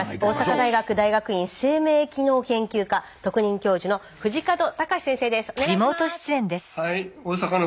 大阪大学大学院生命機能研究科特任教授の不二門尚先生です。